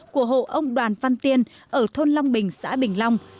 của hộ ông đoàn văn tiên ở thôn long bình xã bình long